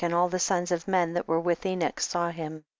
and all the sons of men that were with Enoch saw him.